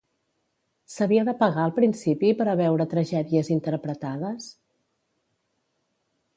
S'havia de pagar al principi per a veure tragèdies interpretades?